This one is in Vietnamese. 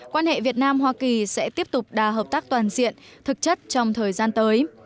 quan hệ việt nam hoa kỳ sẽ tiếp tục đa hợp tác toàn diện thực chất trong thời gian tới